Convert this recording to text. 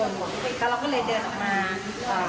แล้วเราก็เลยเดินออกมา